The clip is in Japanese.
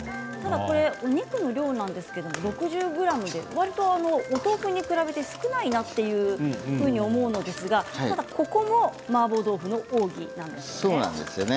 お肉の量は６０ｇでわりとお豆腐に比べて少ないなというふうに思うんですがここもマーボー豆腐の奥義なんですね。